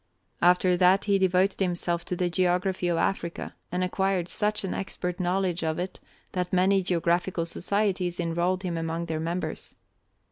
After that he devoted himself to the geography of Africa and acquired such an expert knowledge of it that many geographical societies enrolled him among their members.